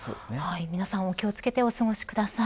皆さん、お気を付けてお過ごしください。